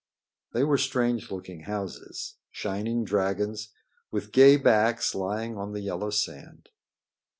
They were strange looking houses shining dragons with gay backs lying on the yellow sand.